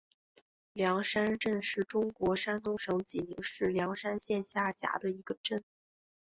梁山镇是中国山东省济宁市梁山县下辖的一个镇。